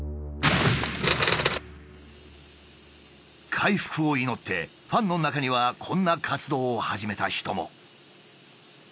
回復を祈ってファンの中にはこんな活動を始めた人も。